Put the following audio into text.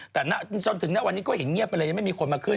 แต่จนถึงณวันนี้ก็เห็นเงียบไปเลยยังไม่มีคนมาขึ้น